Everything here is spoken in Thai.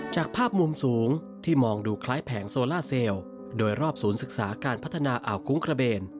จากภาพมุมสูงที่มองดูคล้ายแผงโซล่าเซลล์โดยรอบศูนย์ศึกษาการพัฒนาอ่าวคุ้งกระเบน